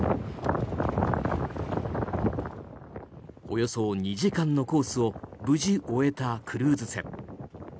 およそ２時間のコースを無事終えたクルーズ船。